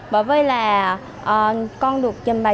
bởi vì là con được chân bài